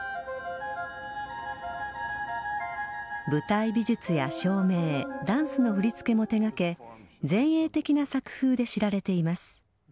舞台美術や照明ダンスの振り付けも手がけ前衛的な作風で知られています。